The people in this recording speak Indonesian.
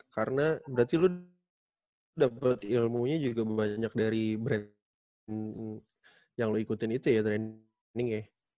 karena berarti lo dapet ilmunya juga banyak dari brand yang lo ikutin itu ya training